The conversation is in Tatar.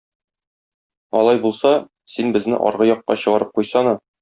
Алай булса, син безне аргы якка чыгарып куйсана.